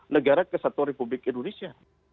negara kesatuan republik indonesia